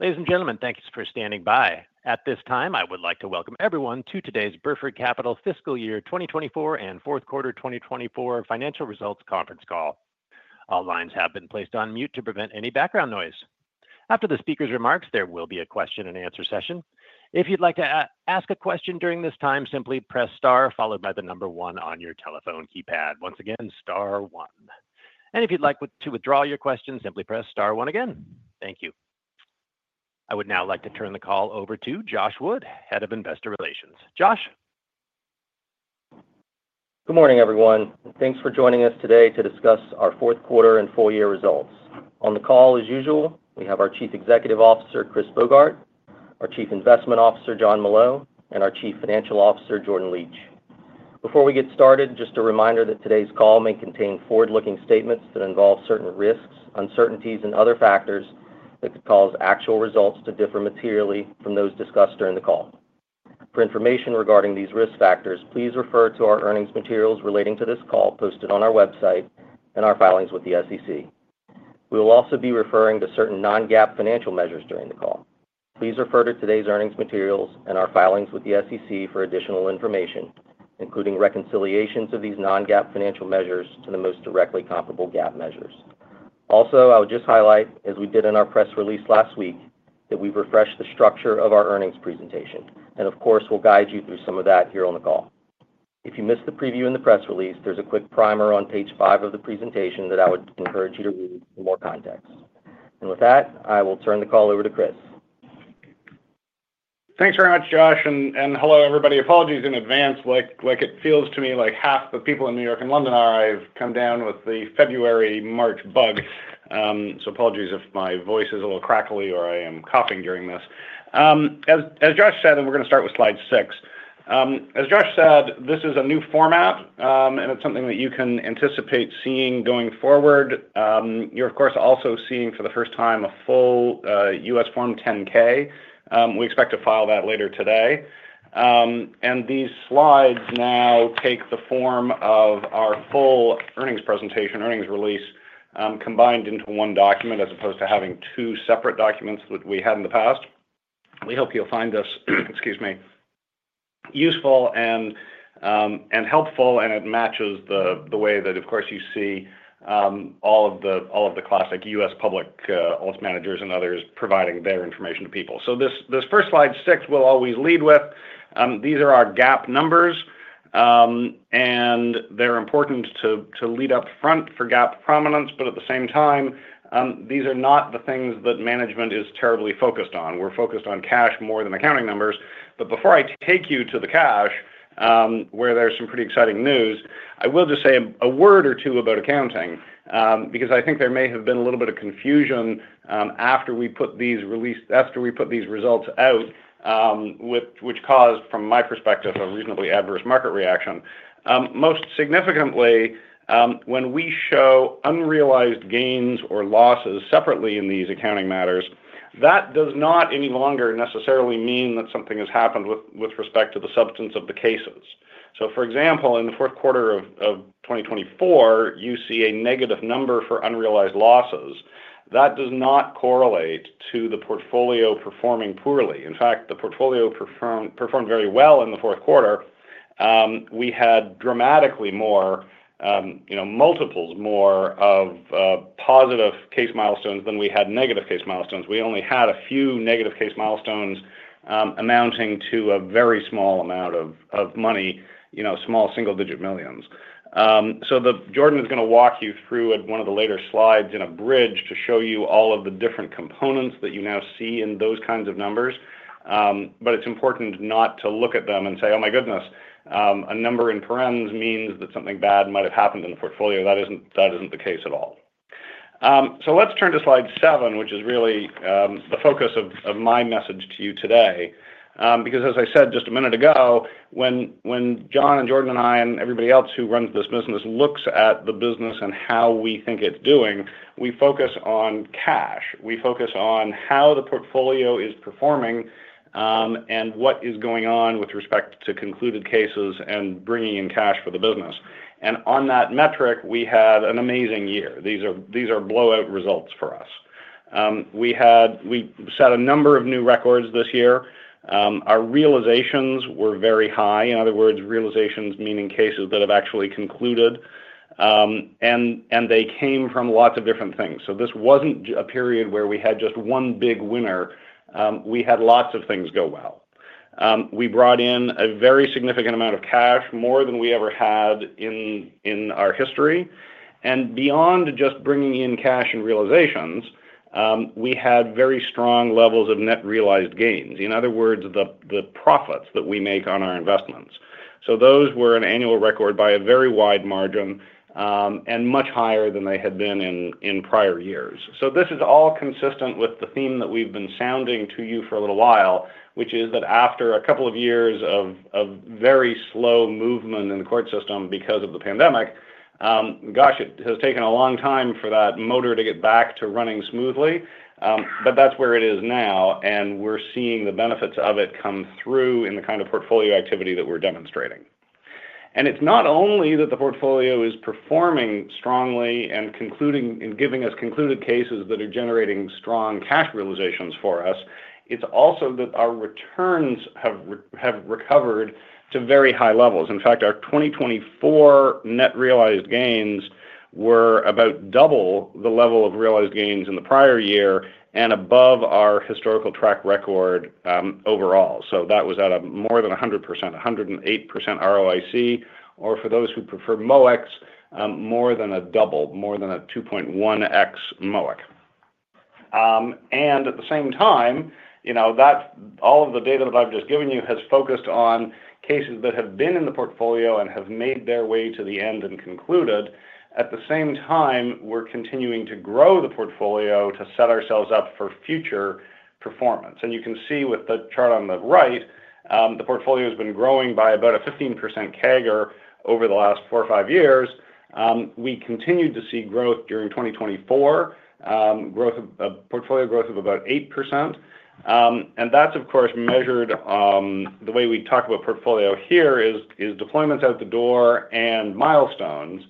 Ladies and gentlemen, thank you for standing by. At this time, I would like to welcome everyone to today's Burford Capital Fiscal Year 2024 and Fourth Quarter 2024 Financial Results Conference Call. All lines have been placed on mute to prevent any background noise. After the speaker's remarks, there will be a question-and-answer session. If you'd like to ask a question during this time, simply press star followed by the number one on your telephone keypad. Once again, star one, and if you'd like to withdraw your question, simply press star one again. Thank you. I would now like to turn the call over to Josh Wood, Head of Investor Relations. Josh. Good morning, everyone. Thanks for joining us today to discuss our fourth quarter and full year results. On the call, as usual, we have our Chief Executive Officer, Chris Bogart, our Chief Investment Officer, Jonathan Molot, and our Chief Financial Officer, Jordan Licht. Before we get started, just a reminder that today's call may contain forward-looking statements that involve certain risks, uncertainties, and other factors that could cause actual results to differ materially from those discussed during the call. For information regarding these risk factors, please refer to our earnings materials relating to this call posted on our website and our filings with the SEC. We will also be referring to certain non-GAAP financial measures during the call. Please refer to today's earnings materials and our filings with the SEC for additional information, including reconciliations of these non-GAAP financial measures to the most directly comparable GAAP measures. Also, I would just highlight, as we did in our press release last week, that we've refreshed the structure of our earnings presentation, and of course, we'll guide you through some of that here on the call. If you missed the preview in the press release, there's a quick primer on page five of the presentation that I would encourage you to read for more context. And with that, I will turn the call over to Chris. Thanks very much, Josh, and hello, everybody. Apologies in advance. Like it feels to me like half the people in New York and London are. I've come down with the February-March bug. So apologies if my voice is a little crackly or I am coughing during this. As Josh said, and we're going to start with slide six. As Josh said, this is a new format, and it's something that you can anticipate seeing going forward. You're, of course, also seeing for the first time a full U.S. Form 10-K. We expect to file that later today, and these slides now take the form of our full earnings presentation, earnings release, combined into one document as opposed to having two separate documents that we had in the past. We hope you'll find this, excuse me, useful and helpful, and it matches the way that, of course, you see all of the classic U.S. public, alts managers and others providing their information to people, so this first slide six will always lead with, these are our GAAP numbers, and they're important to lead up front for GAAP prominence, but at the same time, these are not the things that management is terribly focused on. We're focused on cash more than accounting numbers, but before I take you to the cash, where there's some pretty exciting news, I will just say a word or two about accounting, because I think there may have been a little bit of confusion after we put these results out, which caused, from my perspective, a reasonably adverse market reaction. Most significantly, when we show unrealized gains or losses separately in these accounting matters, that does not any longer necessarily mean that something has happened with respect to the substance of the cases. So, for example, in the fourth quarter of 2024, you see a negative number for unrealized losses. That does not correlate to the portfolio performing poorly. In fact, the portfolio performed very well in the fourth quarter. We had dramatically more multiples, more of positive case milestones than we had negative case milestones. We only had a few negative case milestones amounting to a very small amount of money, small single-digit millions. So Jordan is going to walk you through at one of the later slides in a bridge to show you all of the different components that you now see in those kinds of numbers. But it's important not to look at them and say, "Oh my goodness, a number in parens means that something bad might have happened in the portfolio." That isn't the case at all. So let's turn to slide seven, which is really the focus of my message to you today. Because, as I said just a minute ago, when Jonathan and Jordan and I and everybody else who runs this business looks at the business and how we think it's doing, we focus on cash. We focus on how the portfolio is performing and what is going on with respect to concluded cases and bringing in cash for the business. And on that metric, we had an amazing year. These are blowout results for us. We set a number of new records this year. Our realizations were very high. In other words, realizations meaning cases that have actually concluded. They came from lots of different things. So this wasn't a period where we had just one big winner. We had lots of things go well. We brought in a very significant amount of cash, more than we ever had in our history. And beyond just bringing in cash and realizations, we had very strong levels of net realized gains. In other words, the profits that we make on our investments. So those were an annual record by a very wide margin and much higher than they had been in prior years. So this is all consistent with the theme that we've been sounding to you for a little while, which is that after a couple of years of very slow movement in the court system because of the pandemic, gosh, it has taken a long time for that motor to get back to running smoothly. But that's where it is now, and we're seeing the benefits of it come through in the kind of portfolio activity that we're demonstrating. And it's not only that the portfolio is performing strongly and giving us concluded cases that are generating strong cash realizations for us. It's also that our returns have recovered to very high levels. In fact, our 2024 net realized gains were about double the level of realized gains in the prior year and above our historical track record overall. So that was at a more than 100%, 108% ROIC, or for those who prefer MOIC, more than a double, more than a 2.1x MOIC. And at the same time, all of the data that I've just given you has focused on cases that have been in the portfolio and have made their way to the end and concluded. At the same time, we're continuing to grow the portfolio to set ourselves up for future performance, and you can see with the chart on the right, the portfolio has been growing by about a 15% CAGR over the last four or five years. We continued to see growth during 2024, a portfolio growth of about 8%. And that's, of course, measured the way we talk about portfolio here is deployments out the door and milestones,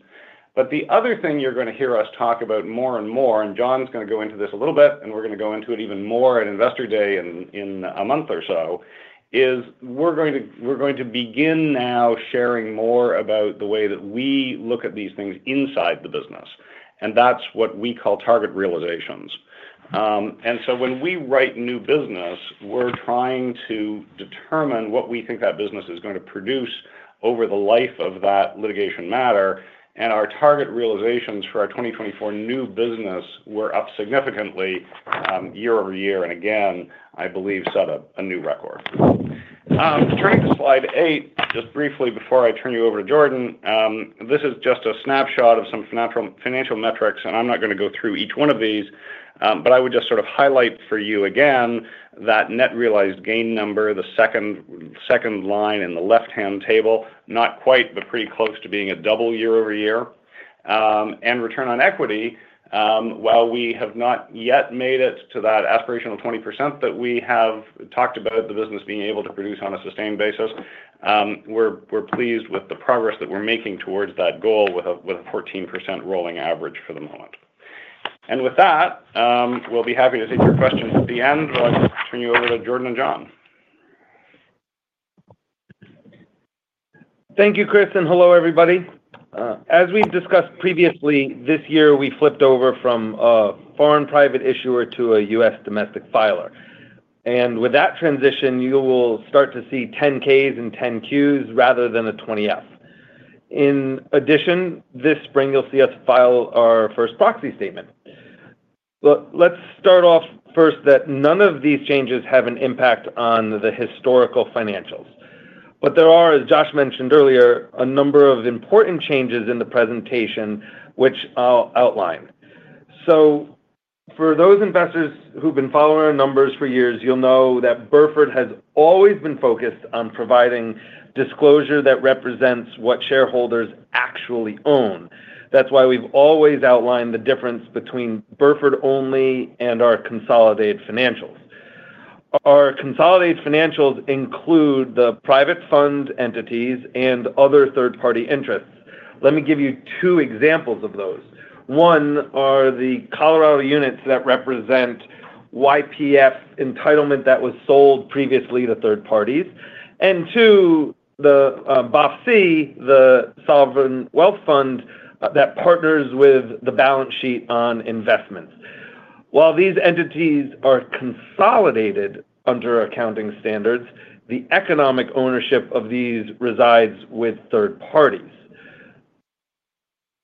but the other thing you're going to hear us talk about more and more, and John's going to go into this a little bit, and we're going to go into it even more at Investor Day in a month or so, is we're going to begin now sharing more about the way that we look at these things inside the business, and that's what we call target realizations. And so when we write new business, we're trying to determine what we think that business is going to produce over the life of that litigation matter. And our target realizations for our 2024 new business were up significantly year over year. And again, I believe set a new record. Turning to slide eight, just briefly before I turn you over to Jordan, this is just a snapshot of some financial metrics, and I'm not going to go through each one of these. But I would just sort of highlight for you again that net realized gain number, the second line in the left-hand table, not quite, but pretty close to being a double year over year. Return on equity, while we have not yet made it to that aspirational 20% that we have talked about the business being able to produce on a sustained basis, we're pleased with the progress that we're making towards that goal with a 14% rolling average for the moment. With that, we'll be happy to take your questions at the end. I'll turn you over to Jordan and John. Thank you, Chris, and hello, everybody. As we've discussed previously, this year we flipped over from a foreign private issuer to a U.S. domestic filer. And with that transition, you will start to see 10-Ks and 10-Qs rather than a 20-F. In addition, this spring, you'll see us file our first proxy statement. Let's start off first that none of these changes have an impact on the historical financials. What there are, as Josh mentioned earlier, a number of important changes in the presentation, which I'll outline. So for those investors who've been following our numbers for years, you'll know that Burford has always been focused on providing disclosure that represents what shareholders actually own. That's why we've always outlined the difference between Burford only and our consolidated financials. Our consolidated financials include the private fund entities and other third-party interests. Let me give you two examples of those. One are the Colorado units that represent YPF entitlement that was sold previously to third parties. And two, the BOF-C, the Sovereign Wealth Fund that partners with the balance sheet on investments. While these entities are consolidated under accounting standards, the economic ownership of these resides with third parties.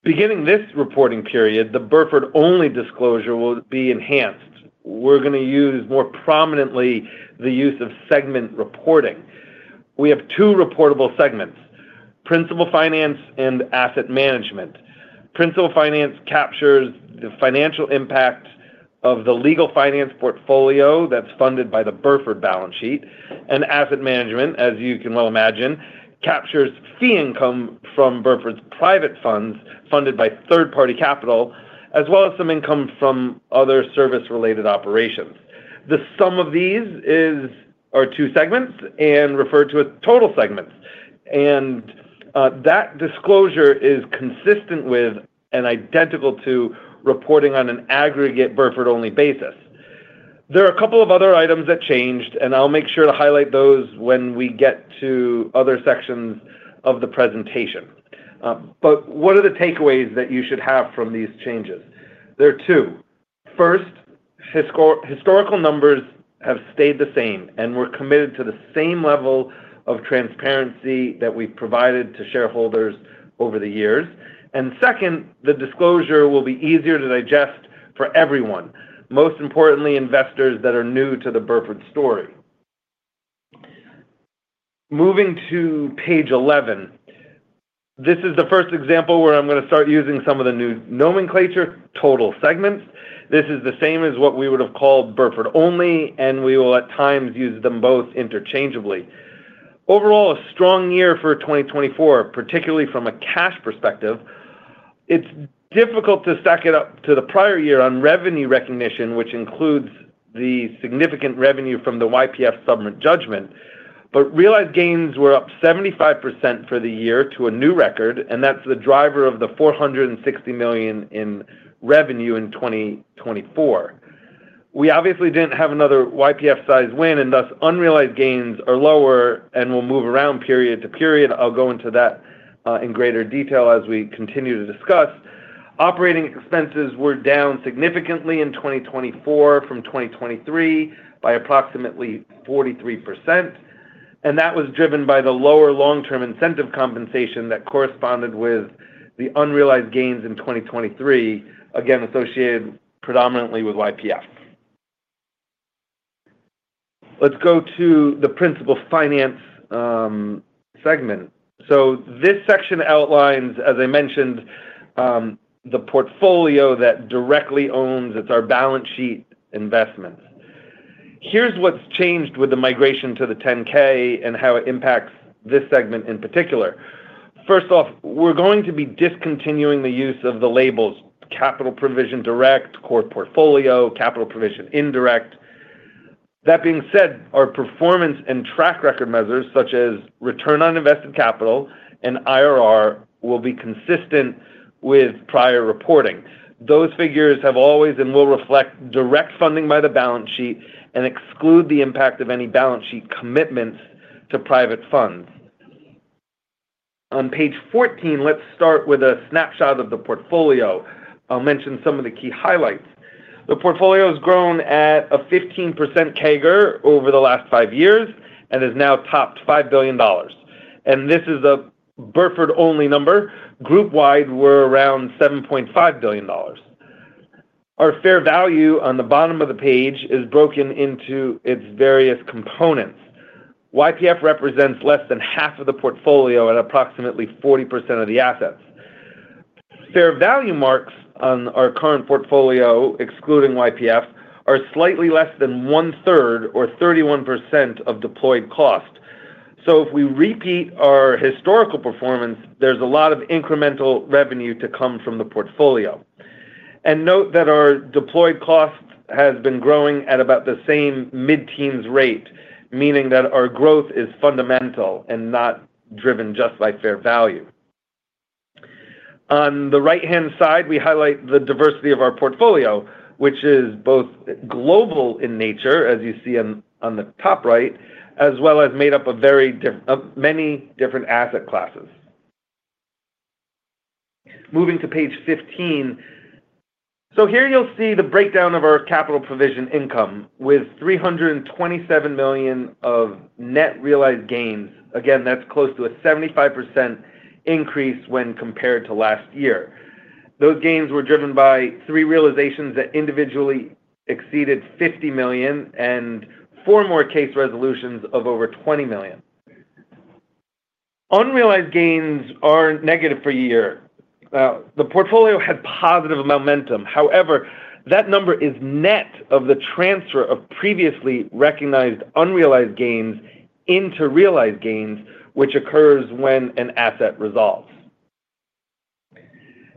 Beginning this reporting period, the Burford-only disclosure will be enhanced. We're going to use more prominently the use of segment reporting. We have two reportable segments: Principal Finance and Asset Management. Principal Finance captures the financial impact of the legal finance portfolio that's funded by the Burford balance sheet. And Asset Management, as you can well imagine, captures fee income from Burford's private funds funded by third-party capital, as well as some income from other service-related operations. The sum of these are two segments and refer to as total segments. That disclosure is consistent with and identical to reporting on an aggregate Burford only basis. There are a couple of other items that changed, and I'll make sure to highlight those when we get to other sections of the presentation. What are the takeaways that you should have from these changes? There are two. First, historical numbers have stayed the same, and we're committed to the same level of transparency that we've provided to shareholders over the years. Second, the disclosure will be easier to digest for everyone, most importantly, investors that are new to the Burford story. Moving to page 11, this is the first example where I'm going to start using some of the new nomenclature, total segments. This is the same as what we would have called Burford only, and we will at times use them both interchangeably. Overall, a strong year for 2024, particularly from a cash perspective. It's difficult to stack it up to the prior year on revenue recognition, which includes the significant revenue from the YPF subject judgment. But realized gains were up 75% for the year to a new record, and that's the driver of the $460 million in revenue in 2024. We obviously didn't have another YPF-sized win, and thus unrealized gains are lower and will move around period to period. I'll go into that in greater detail as we continue to discuss. Operating expenses were down significantly in 2024 from 2023 by approximately 43%. And that was driven by the lower long-term incentive compensation that corresponded with the unrealized gains in 2023, again, associated predominantly with YPF. Let's go to the Principal Finance segment. So this section outlines, as I mentioned, the portfolio that directly owns our balance sheet investments. Here's what's changed with the migration to the 10-K and how it impacts this segment in particular. First off, we're going to be discontinuing the use of the labels capital provision direct, core portfolio, capital provision indirect. That being said, our performance and track record measures such as return on invested capital and IRR will be consistent with prior reporting. Those figures have always and will reflect direct funding by the balance sheet and exclude the impact of any balance sheet commitments to private funds. On page 14, let's start with a snapshot of the portfolio. I'll mention some of the key highlights. The portfolio has grown at a 15% CAGR over the last five years and has now topped $5 billion. And this is a Burford only number. Group wide, we're around $7.5 billion. Our fair value on the bottom of the page is broken into its various components. YPF represents less than half of the portfolio and approximately 40% of the assets. Fair value marks on our current portfolio, excluding YPF, are slightly less than one-third or 31% of deployed cost. So if we repeat our historical performance, there's a lot of incremental revenue to come from the portfolio. And note that our deployed cost has been growing at about the same mid-teens rate, meaning that our growth is fundamental and not driven just by fair value. On the right-hand side, we highlight the diversity of our portfolio, which is both global in nature, as you see on the top right, as well as made up of many different asset classes. Moving to page 15. So here you'll see the breakdown of our capital provision income with $327 million of net realized gains. Again, that's close to a 75% increase when compared to last year. Those gains were driven by three realizations that individually exceeded $50 million and four more case resolutions of over $20 million. Unrealized gains are negative for the year. The portfolio had positive momentum. However, that number is net of the transfer of previously recognized unrealized gains into realized gains, which occurs when an asset resolves.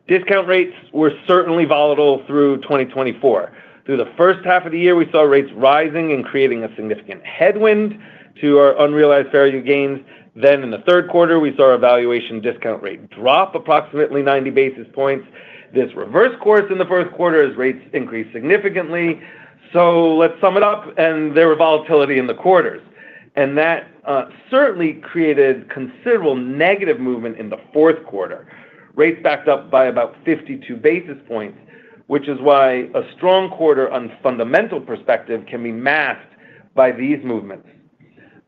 Discount rates were certainly volatile through 2024. Through the first half of the year, we saw rates rising and creating a significant headwind to our unrealized fair value gains. Then in the third quarter, we saw our valuation discount rate drop approximately 90 basis points. This reversed course in the fourth quarter as rates increased significantly. Let's sum it up. There was volatility in the quarters, and that certainly created considerable negative movement in the fourth quarter. Rates backed up by about 52 basis points, which is why a strong quarter on fundamental perspective can be masked by these movements.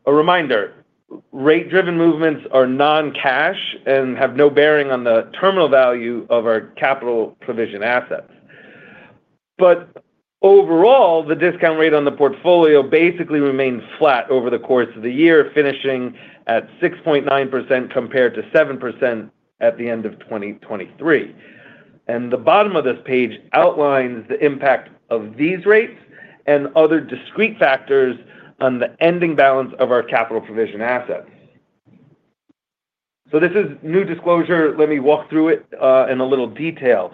A reminder, rate-driven movements are non-cash and have no bearing on the terminal value of our capital provision assets, but overall, the discount rate on the portfolio basically remained flat over the course of the year, finishing at 6.9% compared to 7% at the end of 2023, and the bottom of this page outlines the impact of these rates and other discrete factors on the ending balance of our capital provision assets, so this is new disclosure. Let me walk through it in a little detail,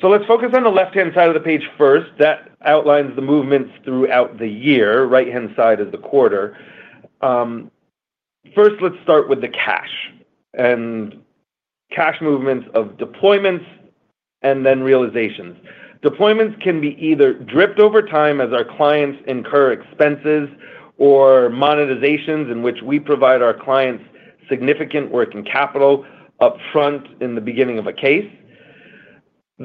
so let's focus on the left-hand side of the page first. That outlines the movements throughout the year. Right-hand side is the quarter. First, let's start with the cash and cash movements of deployments and then realizations. Deployments can be either dripped over time as our clients incur expenses or monetizations in which we provide our clients significant working capital upfront in the beginning of a case.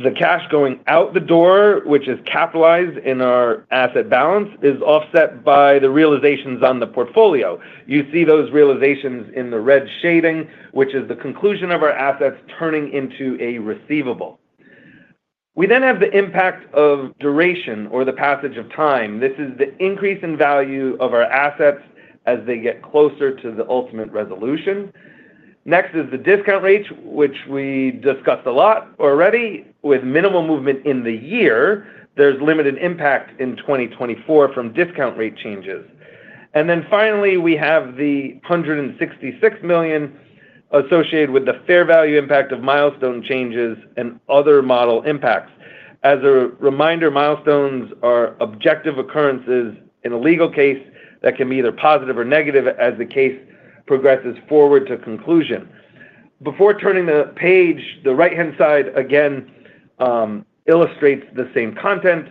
The cash going out the door, which is capitalized in our asset balance, is offset by the realizations on the portfolio. You see those realizations in the red shading, which is the conclusion of our assets turning into a receivable. We then have the impact of duration or the passage of time. This is the increase in value of our assets as they get closer to the ultimate resolution. Next is the discount rate, which we discussed a lot already. With minimal movement in the year, there's limited impact in 2024 from discount rate changes, and then finally, we have the $166 million associated with the fair value impact of milestone changes and other model impacts. As a reminder, milestones are objective occurrences in a legal case that can be either positive or negative as the case progresses forward to conclusion. Before turning the page, the right-hand side again illustrates the same content,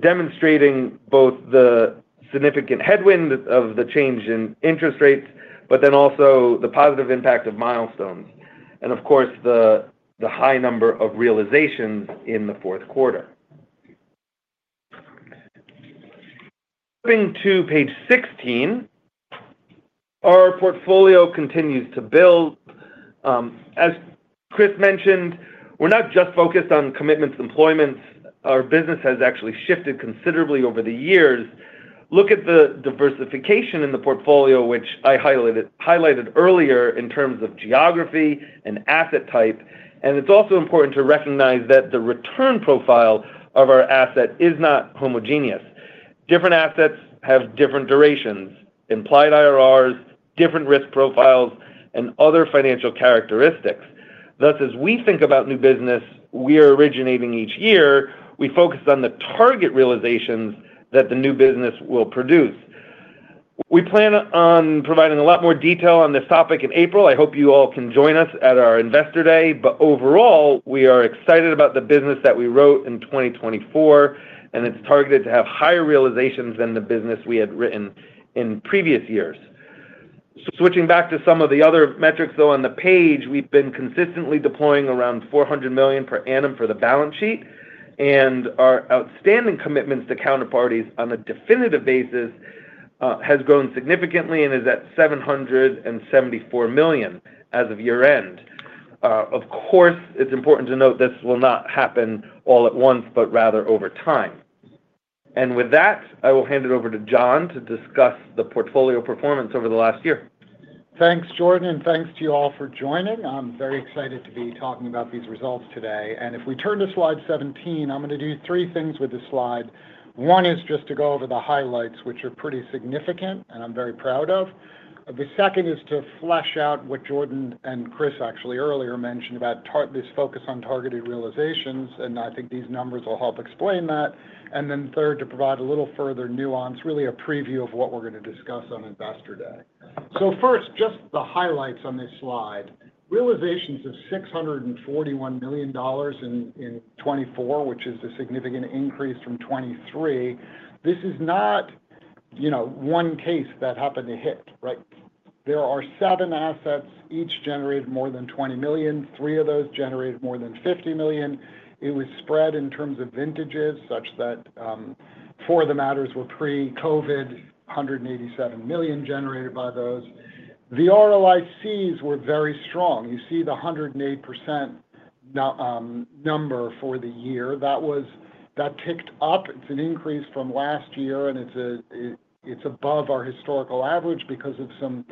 demonstrating both the significant headwind of the change in interest rates, but then also the positive impact of milestones, and of course, the high number of realizations in the fourth quarter. Moving to page 16, our portfolio continues to build. As Chris mentioned, we're not just focused on commitments to deployment. Our business has actually shifted considerably over the years. Look at the diversification in the portfolio, which I highlighted earlier in terms of geography and asset type, and it's also important to recognize that the return profile of our asset is not homogeneous. Different assets have different durations, implied IRRs, different risk profiles, and other financial characteristics. Thus, as we think about new business, we are originating each year, we focus on the target realizations that the new business will produce. We plan on providing a lot more detail on this topic in April. I hope you all can join us at our investor day. But overall, we are excited about the business that we wrote in 2024, and it's targeted to have higher realizations than the business we had written in previous years. Switching back to some of the other metrics, though, on the page, we've been consistently deploying around $400 million per annum for the balance sheet. And our outstanding commitments to counterparties on a definitive basis have grown significantly and are at $774 million as of year-end. Of course, it's important to note this will not happen all at once, but rather over time. And with that, I will hand it over to John to discuss the portfolio performance over the last year. Thanks, Jordan, and thanks to you all for joining. I'm very excited to be talking about these results today and if we turn to slide 17, I'm going to do three things with this slide. One is just to go over the highlights, which are pretty significant and I'm very proud of. The second is to flesh out what Jordan and Chris actually earlier mentioned about this focus on targeted realizations. And I think these numbers will help explain that and then third, to provide a little further nuance, really a preview of what we're going to discuss on investor day. So first, just the highlights on this slide. Realizations of $641 million in 2024, which is a significant increase from 2023. This is not one case that happened to hit. There are seven assets, each generated more than 20 million. Three of those generated more than 50 million. It was spread in terms of vintages such that for the matters were pre-COVID, $187 million generated by those. The ROICs were very strong. You see the 108% number for the year. That ticked up. It's an increase from last year, and it's above our historical average because of some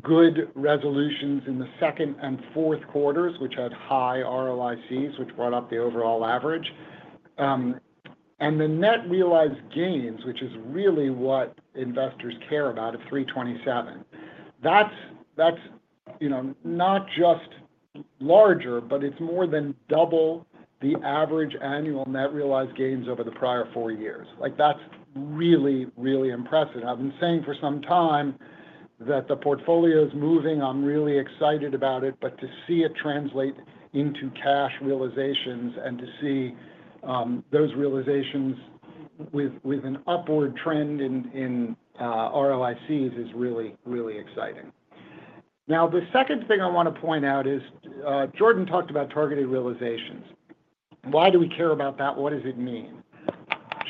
good resolutions in the second and fourth quarters, which had high ROICs, which brought up the overall average. And the net realized gains, which is really what investors care about, of $327 million. That's not just larger, but it's more than double the average annual net realized gains over the prior four years. That's really, really impressive. I've been saying for some time that the portfolio is moving. I'm really excited about it. But to see it translate into cash realizations and to see those realizations with an upward trend in ROICs is really, really exciting. Now, the second thing I want to point out is Jordan talked about targeted realizations. Why do we care about that? What does it mean?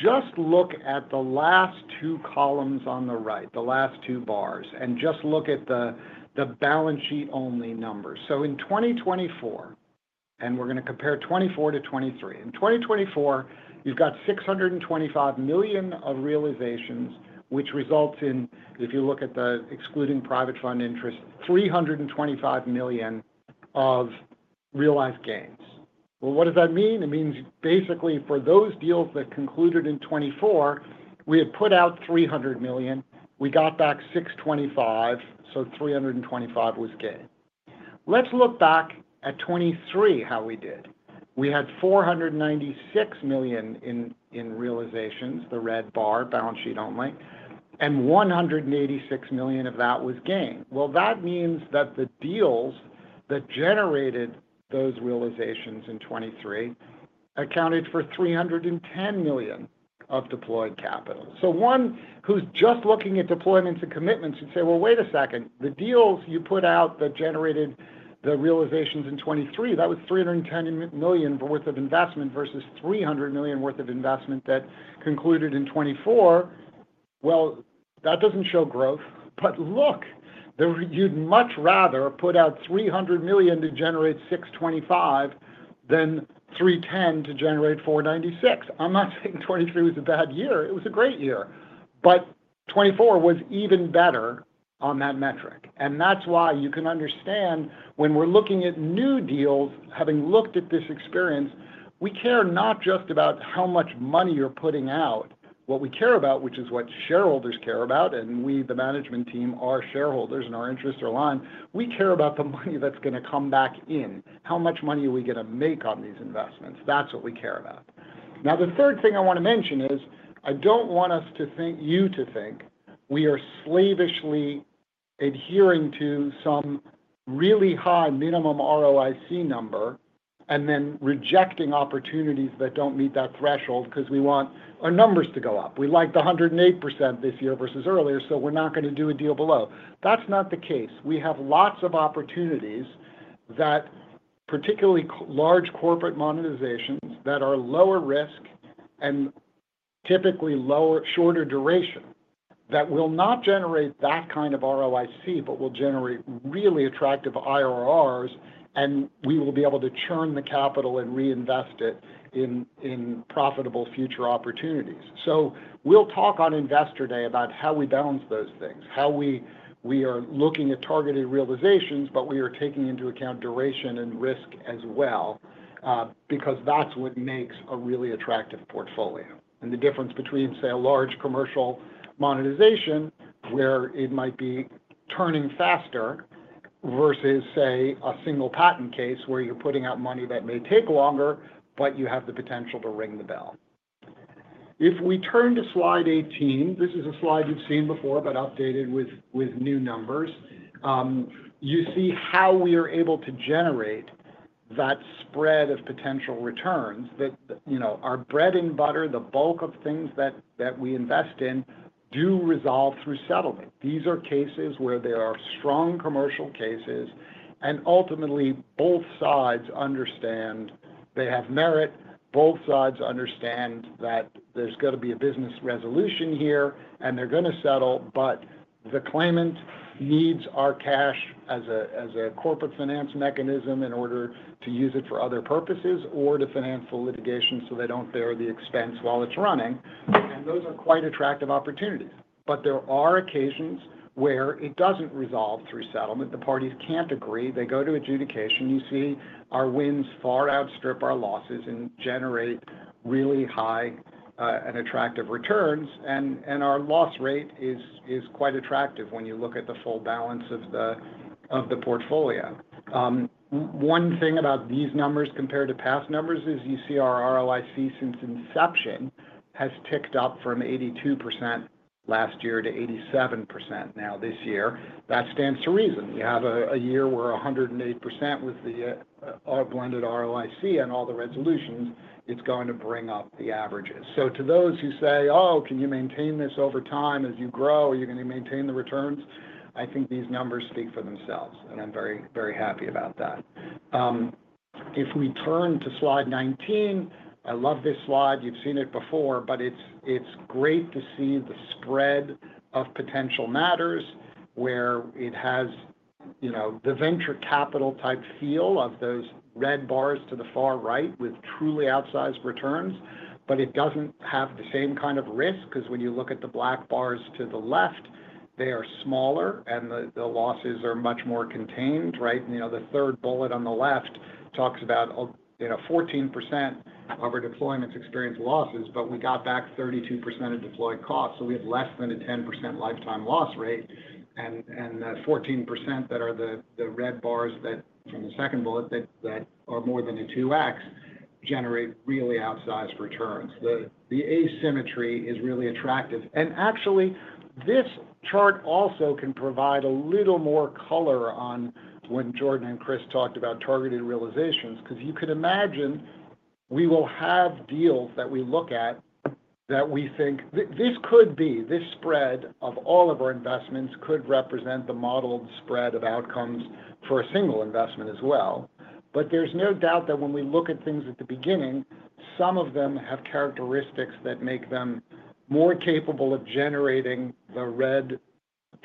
Just look at the last two columns on the right, the last two bars, and just look at the balance sheet only numbers. So in 2024, and we're going to compare 2024 to 2023. In 2024, you've got $625 million of realizations, which results in, if you look at the excluding private fund interest, $325 million of realized gains. Well, what does that mean? It means basically for those deals that concluded in 2024, we had put out $300 million. We got back $625 million, so $325 million was gained. Let's look back at 2023, how we did. We had $496 million in realizations, the red bar, balance sheet only, and $186 million of that was gain. That means that the deals that generated those realizations in 2023 accounted for $310 million of deployed capital. So one who's just looking at deployments and commitments would say, "Well, wait a second. The deals you put out that generated the realizations in 2023, that was $310 million worth of investment versus $300 million worth of investment that concluded in 2024." That doesn't show growth. But look, you'd much rather put out $300 million to generate $625 million than $310 million to generate $496 million. I'm not saying 2023 was a bad year. It was a great year. But 2024 was even better on that metric. And that's why you can understand when we're looking at new deals, having looked at this experience, we care not just about how much money you're putting out. What we care about, which is what shareholders care about, and we, the management team, are shareholders and our interests are aligned, we care about the money that's going to come back in. How much money are we going to make on these investments? That's what we care about. Now, the third thing I want to mention is I don't want you to think we are slavishly adhering to some really high minimum ROIC number and then rejecting opportunities that don't meet that threshold because we want our numbers to go up. We like the 108% this year versus earlier, so we're not going to do a deal below. That's not the case. We have lots of opportunities, particularly large corporate monetizations, that are lower risk and typically shorter duration that will not generate that kind of ROIC, but will generate really attractive IRRs, and we will be able to churn the capital and reinvest it in profitable future opportunities, so we'll talk on investor day about how we balance those things, how we are looking at targeted realizations, but we are taking into account duration and risk as well because that's what makes a really attractive portfolio. And the difference between, say, a large commercial monetization where it might be turning faster versus, say, a single patent case where you're putting out money that may take longer, but you have the potential to ring the bell, and the difference between, say, a large commercial monetization where it might be turning faster versus, say, a single patent case where you're putting out money that may take longer, but you have the potential to ring the bell. If we turn to slide 18, this is a slide you've seen before, but updated with new numbers. You see how we are able to generate that spread of potential returns that our bread and butter, the bulk of things that we invest in do resolve through settlement. These are cases where there are strong commercial cases, and ultimately both sides understand they have merit. Both sides understand that there's going to be a business resolution here, and they're going to settle, but the claimant needs our cash as a corporate finance mechanism in order to use it for other purposes or to finance the litigation so they don't bear the expense while it's running. And those are quite attractive opportunities. But there are occasions where it doesn't resolve through settlement. The parties can't agree. They go to adjudication. You see our wins far outstrip our losses and generate really high and attractive returns. Our loss rate is quite attractive when you look at the full balance of the portfolio. One thing about these numbers compared to past numbers is you see our ROIC since inception has ticked up from 82% last year to 87% now this year. That stands to reason. You have a year where 108% with our blended ROIC and all the resolutions, it's going to bring up the averages. So to those who say, "Oh, can you maintain this over time as you grow? Are you going to maintain the returns?" I think these numbers speak for themselves, and I'm very, very happy about that. If we turn to slide 19, I love this slide. You've seen it before, but it's great to see the spread of potential matters where it has the venture capital type feel of those red bars to the far right with truly outsized returns, but it doesn't have the same kind of risk because when you look at the black bars to the left, they are smaller and the losses are much more contained. The third bullet on the left talks about 14% of our deployments experience losses, but we got back 32% of deployed costs. So we have less than a 10% lifetime loss rate. And the 14% that are the red bars from the second bullet that are more than a 2X generate really outsized returns. The asymmetry is really attractive. Actually, this chart also can provide a little more color on when Jordan and Chris talked about targeted realizations because you could imagine we will have deals that we look at that we think this could be, this spread of all of our investments could represent the modeled spread of outcomes for a single investment as well. But there's no doubt that when we look at things at the beginning, some of them have characteristics that make them more capable of generating the red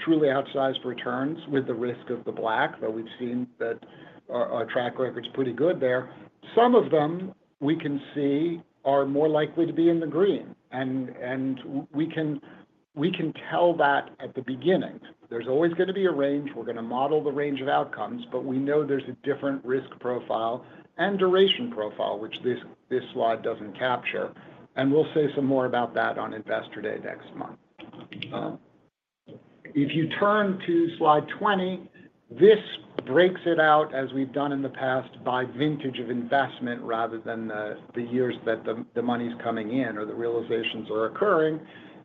truly outsized returns with the risk of the black, though we've seen that our track record's pretty good there. Some of them we can see are more likely to be in the green. And we can tell that at the beginning. There's always going to be a range. We're going to model the range of outcomes, but we know there's a different risk profile and duration profile, which this slide doesn't capture. We'll say some more about that on investor day next month. If you turn to slide 20, this breaks it out as we've done in the past by vintage of investment rather than the years that the money's coming in or the realizations are occurring.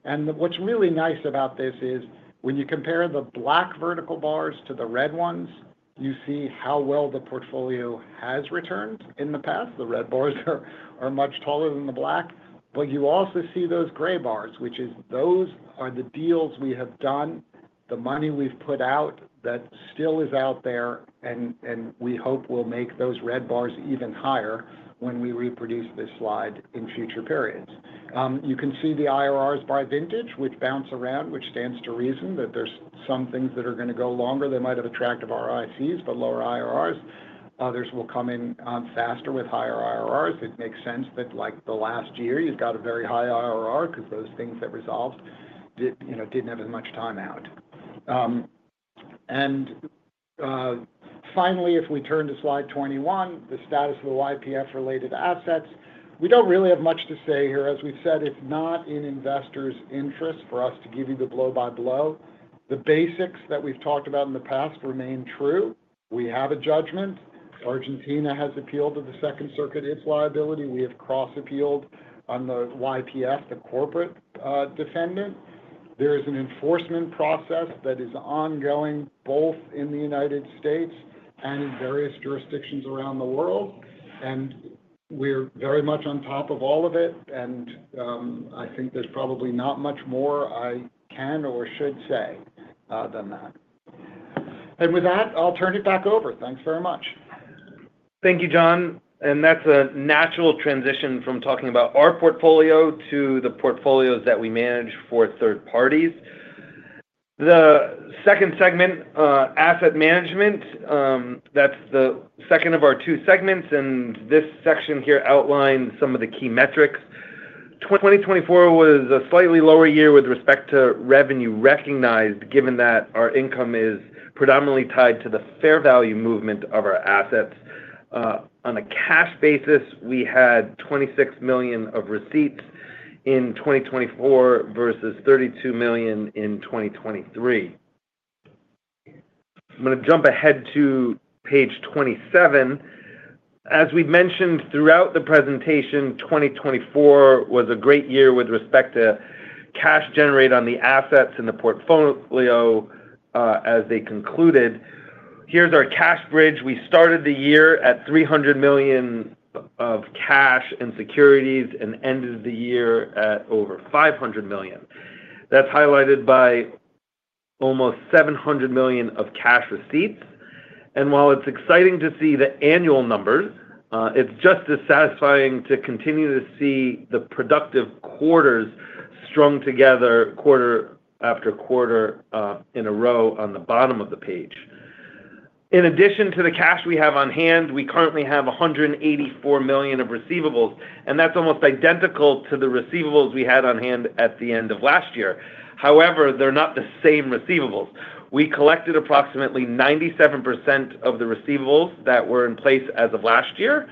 What's really nice about this is when you compare the black vertical bars to the red ones, you see how well the portfolio has returned in the past. The red bars are much taller than the black. But you also see those gray bars, which is those are the deals we have done, the money we've put out that still is out there, and we hope will make those red bars even higher when we reproduce this slide in future periods. You can see the IRRs by vintage, which bounce around, which stands to reason that there's some things that are going to go longer. They might have attractive ROICs, but lower IRRs. Others will come in faster with higher IRRs. It makes sense that like the last year, you've got a very high IRR because those things that resolved didn't have as much time out. And finally, if we turn to slide 21, the status of the YPF-related assets, we don't really have much to say here. As we've said, it's not in investors' interest for us to give you the blow-by-blow. The basics that we've talked about in the past remain true. We have a judgment. Argentina has appealed to the Second Circuit its liability. We have cross-appealed on the YPF, the corporate defendant. There is an enforcement process that is ongoing both in the United States and in various jurisdictions around the world, and we're very much on top of all of it. And I think there's probably not much more I can or should say than that, and with that, I'll turn it back over. Thanks very much. Thank you, John, and that's a natural transition from talking about our portfolio to the portfolios that we manage for third parties. The second segment, asset management, that's the second of our two segments, and this section here outlines some of the key metrics. 2024 was a slightly lower year with respect to revenue recognized, given that our income is predominantly tied to the fair value movement of our assets. On a cash basis, we had $26 million of receipts in 2024 versus $32 million in 2023. I'm going to jump ahead to page 27. As we've mentioned throughout the presentation, 2024 was a great year with respect to cash generated on the assets and the portfolio as they concluded. Here's our cash bridge. We started the year at $300 million of cash and securities and ended the year at over $500 million. That's highlighted by almost $700 million of cash receipts. And while it's exciting to see the annual numbers, it's just as satisfying to continue to see the productive quarters strung together quarter after quarter in a row on the bottom of the page. In addition to the cash we have on hand, we currently have $184 million of receivables. And that's almost identical to the receivables we had on hand at the end of last year. However, they're not the same receivables. We collected approximately 97% of the receivables that were in place as of last year.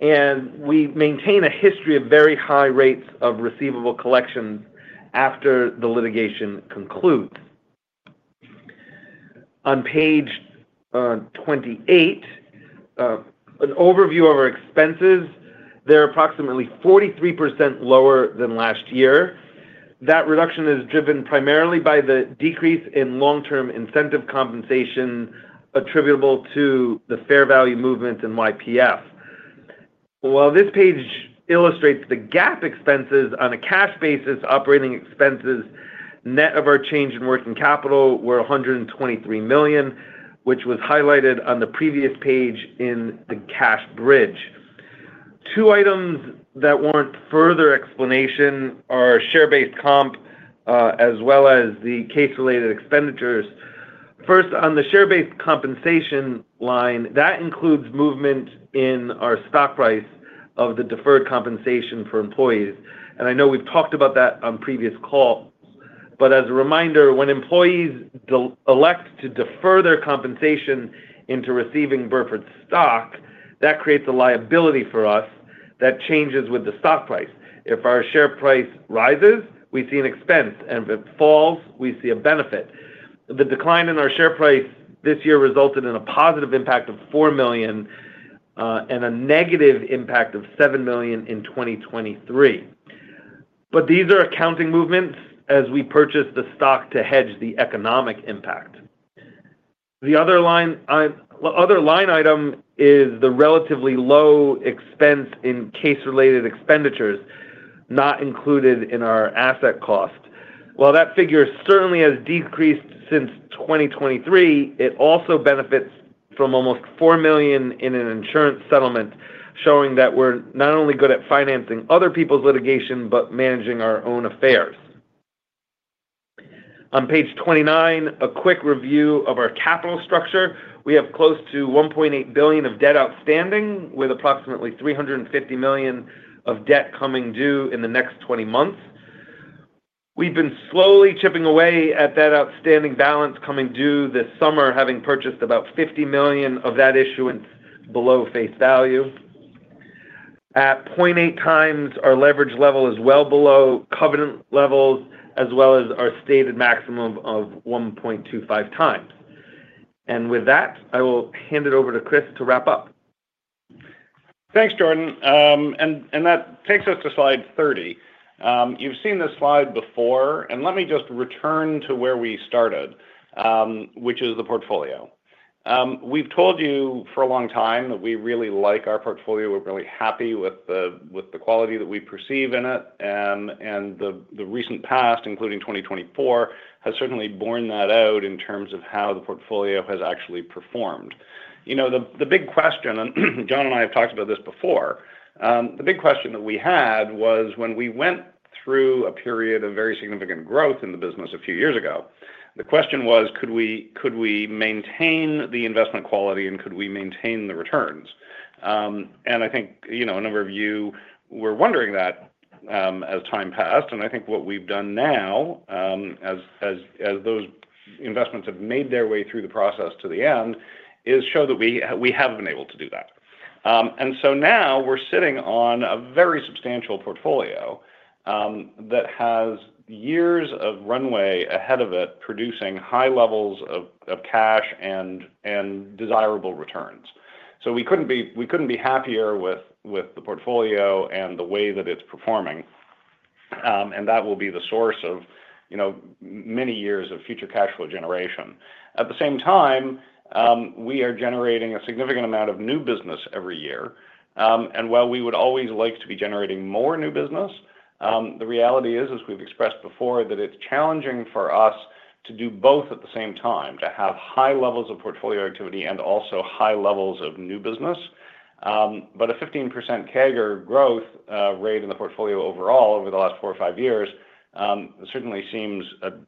And we maintain a history of very high rates of receivable collection after the litigation concludes. On page 28, an overview of our expenses. They're approximately 43% lower than last year. That reduction is driven primarily by the decrease in long-term incentive compensation attributable to the fair value movement in YPF. While this page illustrates the GAAP expenses on a cash basis, operating expenses net of our change in working capital were $123 million, which was highlighted on the previous page in the cash bridge. Two items that warrant further explanation are share-based comp as well as the case-related expenditures. First, on the share-based compensation line, that includes movement in our stock price of the deferred compensation for employees, and I know we've talked about that on previous calls, but as a reminder, when employees elect to defer their compensation into receiving Burford's stock, that creates a liability for us that changes with the stock price. If our share price rises, we see an expense, and if it falls, we see a benefit. The decline in our share price this year resulted in a positive impact of $4 million and a negative impact of $7 million in 2023, but these are accounting movements as we purchase the stock to hedge the economic impact. The other line item is the relatively low expense in case-related expenditures not included in our asset cost. While that figure certainly has decreased since 2023, it also benefits from almost $4 million in an insurance settlement, showing that we're not only good at financing other people's litigation, but managing our own affairs. On page 29, a quick review of our capital structure. We have close to $1.8 billion of debt outstanding with approximately $350 million of debt coming due in the next 20 months. We've been slowly chipping away at that outstanding balance coming due this summer, having purchased about $50 million of that issuance below face value. At 0.8 times, our leverage level is well below covenant levels, as well as our stated maximum of 1.25 times. And with that, I will hand it over to Chris to wrap up. Thanks, Jordan. And that takes us to slide 30. You've seen this slide before. Let me just return to where we started, which is the portfolio. We've told you for a long time that we really like our portfolio. We're really happy with the quality that we perceive in it. And the recent past, including 2024, has certainly borne that out in terms of how the portfolio has actually performed. The big question, and John and I have talked about this before, the big question that we had was when we went through a period of very significant growth in the business a few years ago, the question was, could we maintain the investment quality and could we maintain the returns? And I think a number of you were wondering that as time passed. And I think what we've done now, as those investments have made their way through the process to the end, is show that we have been able to do that. And so now we're sitting on a very substantial portfolio that has years of runway ahead of it, producing high levels of cash and desirable returns. So we couldn't be happier with the portfolio and the way that it's performing. And that will be the source of many years of future cash flow generation. At the same time, we are generating a significant amount of new business every year. And while we would always like to be generating more new business, the reality is, as we've expressed before, that it's challenging for us to do both at the same time, to have high levels of portfolio activity and also high levels of new business. But a 15% CAGR growth rate in the portfolio overall over the last four or five years certainly seems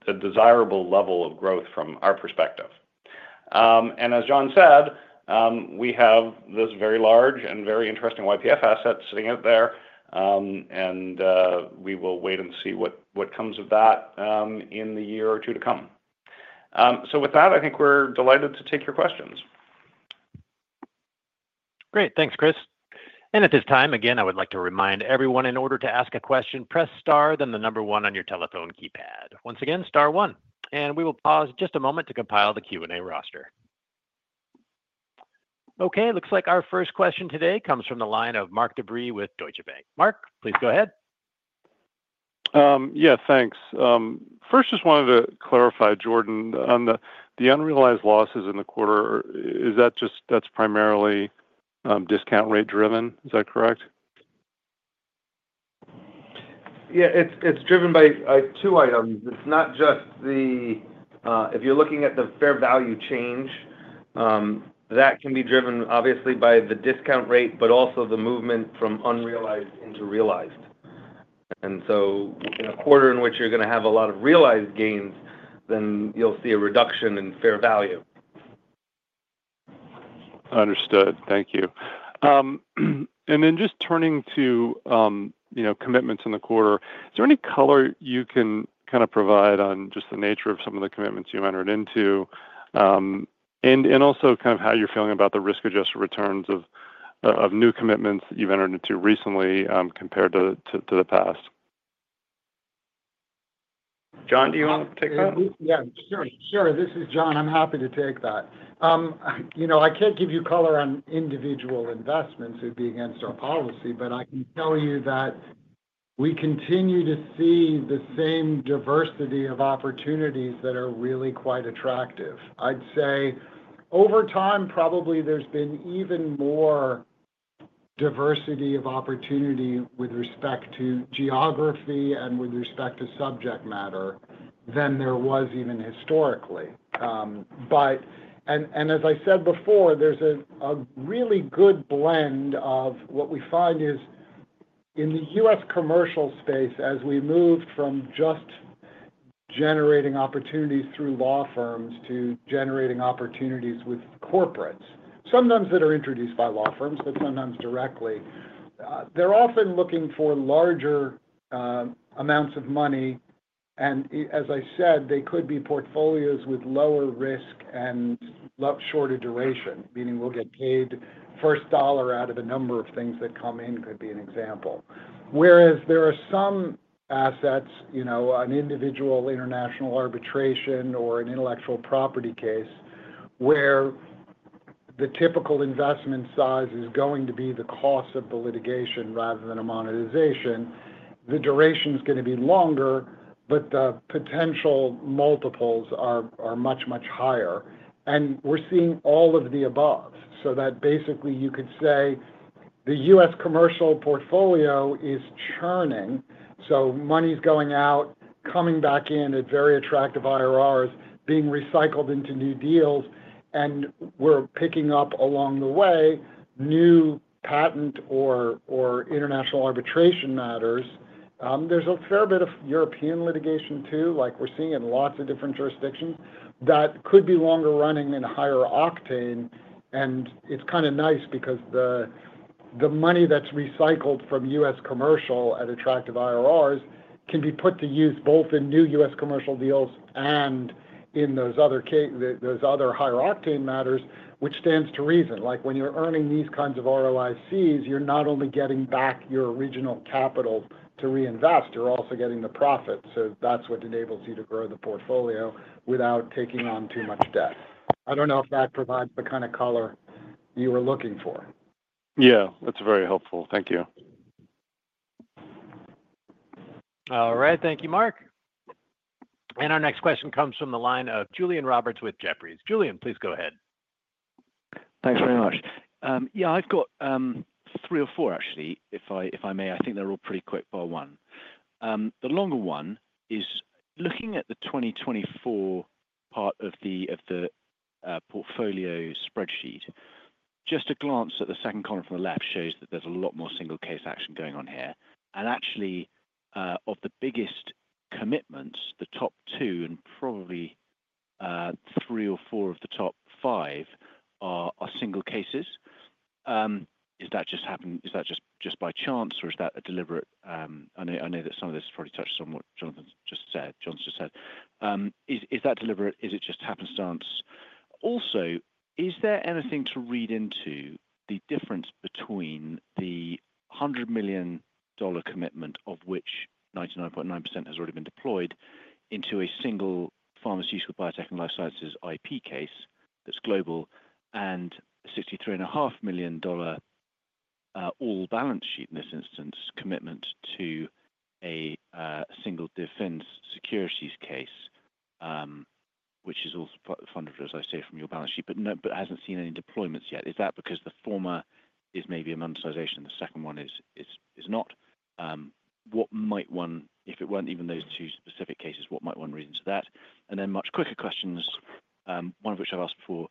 a desirable level of growth from our perspective. And as John said, we have this very large and very interesting YPF asset sitting out there. And we will wait and see what comes of that in the year or two to come. So with that, I think we're delighted to take your questions. Great. Thanks, Chris. And at this time, again, I would like to remind everyone in order to ask a question, press Star, then the number one on your telephone keypad. Once again, Star 1. And we will pause just a moment to compile the Q&A roster. Okay. It looks like our first question today comes from the line of Mark DeVries with Deutsche Bank. Mark, please go ahead. Yeah, thanks. First, just wanted to clarify, Jordan, on the unrealized losses in the quarter, is that primarily discount rate driven? Is that correct? Yeah, it's driven by two items. It's not just the if you're looking at the fair value change, that can be driven obviously by the discount rate, but also the movement from unrealized into realized. And so in a quarter in which you're going to have a lot of realized gains, then you'll see a reduction in fair value. Understood. Thank you. And then just turning to commitments in the quarter, is there any color you can kind of provide on just the nature of some of the commitments you entered into? And also kind of how you're feeling about the risk-adjusted returns of new commitments that you've entered into recently compared to the past? John, do you want to take that? Yeah, sure. Sure. This is John. I'm happy to take that. I can't give you color on individual investments who'd be against our policy, but I can tell you that we continue to see the same diversity of opportunities that are really quite attractive. I'd say over time, probably there's been even more diversity of opportunity with respect to geography and with respect to subject matter than there was even historically. And as I said before, there's a really good blend of what we find is in the U.S. commercial space, as we moved from just generating opportunities through law firms to generating opportunities with corporates, sometimes that are introduced by law firms, but sometimes directly. They're often looking for larger amounts of money. And as I said, they could be portfolios with lower risk and shorter duration, meaning we'll get paid first dollar out of a number of things that come in, could be an example. Whereas there are some assets, an individual international arbitration or an intellectual property case where the typical investment size is going to be the cost of the litigation rather than a monetization, the duration is going to be longer, but the potential multiples are much, much higher. And we're seeing all of the above. So that basically you could say the U.S. commercial portfolio is churning. So money's going out, coming back in at very attractive IRRs, being recycled into new deals. And we're picking up along the way new patent or international arbitration matters. There's a fair bit of European litigation too, like we're seeing in lots of different jurisdictions that could be longer running and higher octane. And it's kind of nice because the money that's recycled from U.S. commercial at attractive IRRs can be put to use both in new U.S. commercial deals and in those other higher octane matters, which stands to reason. Like when you're earning these kinds of ROICs, you're not only getting back your original capital to reinvest, you're also getting the profit. So that's what enables you to grow the portfolio without taking on too much debt. I don't know if that provides the kind of color you were looking for. Yeah, that's very helpful. Thank you. All right. Thank you, Mark. And our next question comes from the line of Julian Roberts with Jefferies. Julian, please go ahead. Thanks very much. Yeah, I've got three or four, actually, if I may. I think they're all pretty quick, but one. The longer one is looking at the 2024 part of the portfolio spreadsheet. Just a glance at the second column from the left shows that there's a lot more single case action going on here. And actually, of the biggest commitments, the top two and probably three or four of the top five are single cases. Is that just happenstance? Is that just by chance, or is that a deliberate? I know that some of this has probably touched on what Jonathan just said. Is that deliberate? Is it just happenstance? Also, is there anything to read into the difference between the $100 million commitment, of which 99.9% has already been deployed, into a single pharmaceutical biotech and life sciences IP case that's global and $63.5 million all balance sheet in this instance commitment to a single defense securities case, which is also funded, as I say, from your balance sheet, but hasn't seen any deployments yet? Is that because the former is maybe a monetization, the second one is not? If it weren't even those two specific cases, what might one reason for that? And then much quicker questions, one of which I've asked before.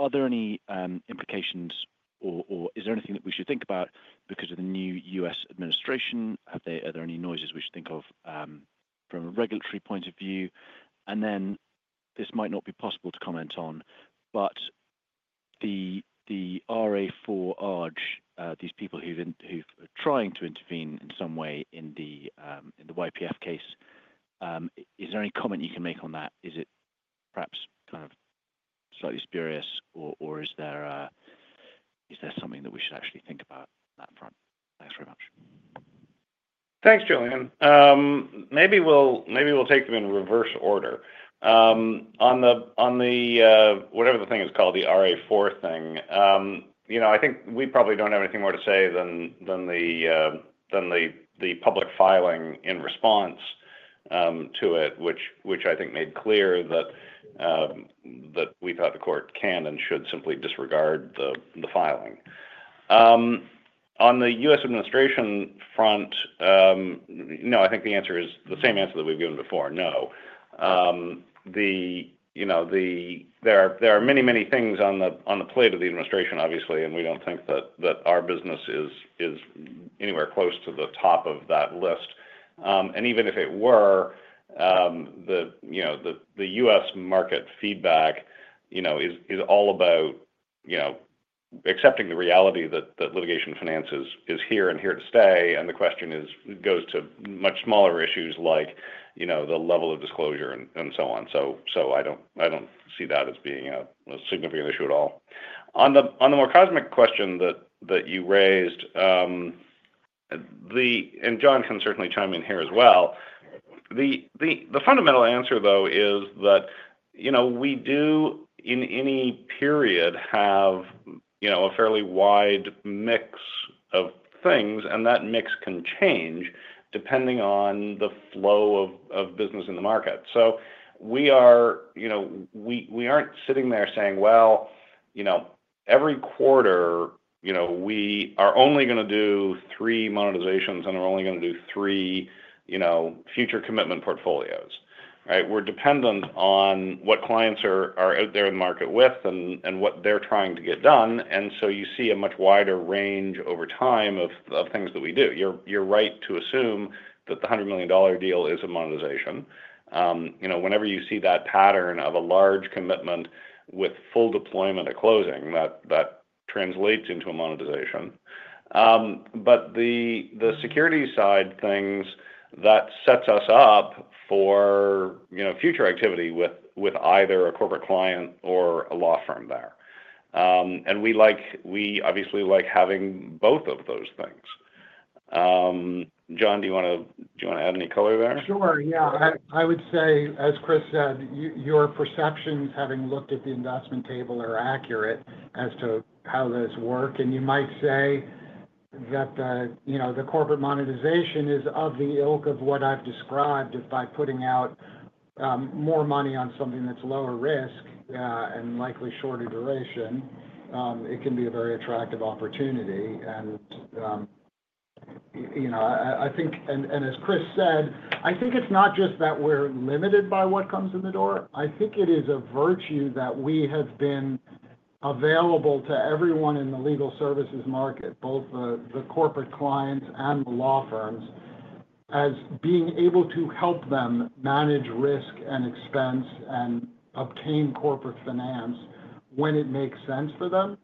Are there any implications, or is there anything that we should think about because of the new U.S. administration? Are there any noises we should think of from a regulatory point of view? And then this might not be possible to comment on, but the RA4 judge, these people who are trying to intervene in some way in the YPF case, is there any comment you can make on that? Is it perhaps kind of slightly spurious, or is there something that we should actually think about on that front? Thanks very much. Thanks, Julian. Maybe we'll take them in reverse order. On whatever the thing is called, the RA4 thing, I think we probably don't have anything more to say than the public filing in response to it, which I think made clear that we thought the court can and should simply disregard the filing. On the U.S. administration front, no, I think the answer is the same answer that we've given before. No. There are many, many things on the plate of the administration, obviously, and we don't think that our business is anywhere close to the top of that list. And even if it were, the U.S. market feedback is all about accepting the reality that litigation finance is here and here to stay. And the question goes to much smaller issues like the level of disclosure and so on. So I don't see that as being a significant issue at all. On the more cosmic question that you raised, and John can certainly chime in here as well, the fundamental answer, though, is that we do, in any period, have a fairly wide mix of things, and that mix can change depending on the flow of business in the market. So we aren't sitting there saying, "Well, every quarter, we are only going to do three monetizations, and we're only going to do three future commitment portfolios." Right? We're dependent on what clients are out there in the market with and what they're trying to get done. And so you see a much wider range over time of things that we do. You're right to assume that the $100 million deal is a monetization. Whenever you see that pattern of a large commitment with full deployment at closing, that translates into a monetization. But the security side things, that sets us up for future activity with either a corporate client or a law firm there. And we obviously like having both of those things. John, do you want to add any color there? Sure. Yeah.I would say, as Chris said, your perceptions, having looked at the investment table, are accurate as to how those work. And you might say that the corporate monetization is of the ilk of what I've described. If by putting out more money on something that's lower risk and likely shorter duration, it can be a very attractive opportunity. And I think, and as Chris said, I think it's not just that we're limited by what comes in the door. I think it is a virtue that we have been available to everyone in the legal services market, both the corporate clients and the law firms, as being able to help them manage risk and expense and obtain corporate finance when it makes sense for them.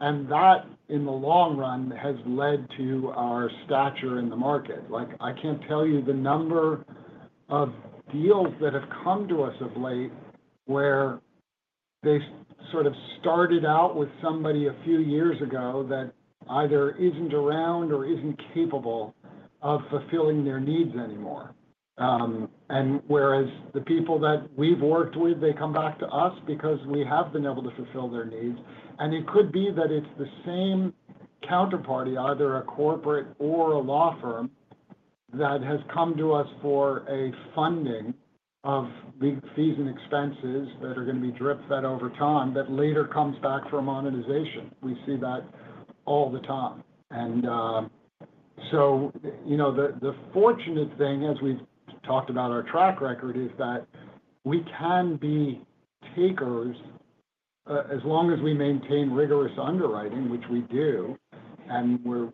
And that, in the long run, has led to our stature in the market. I can't tell you the number of deals that have come to us of late where they sort of started out with somebody a few years ago that either isn't around or isn't capable of fulfilling their needs anymore. And whereas the people that we've worked with, they come back to us because we have been able to fulfill their needs. And it could be that it's the same counterparty, either a corporate or a law firm, that has come to us for a funding of big fees and expenses that are going to be drip-fed over time that later comes back for monetization. We see that all the time. And so the fortunate thing, as we've talked about our track record, is that we can be takers as long as we maintain rigorous underwriting, which we do. And we're